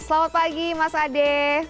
selamat pagi mas ade